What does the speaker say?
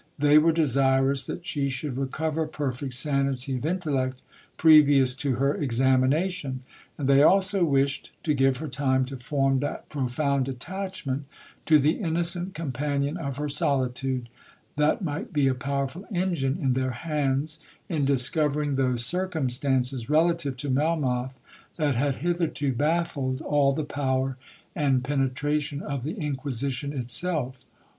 They were desirous that she should recover perfect sanity of intellect previous to her examination, and they also wished to give her time to form that profound attachment to the innocent companion of her solitude, that might be a powerful engine in their hands in discovering those circumstances relative to Melmoth that had hitherto baffled all the power and penetration of the Inquisition itself.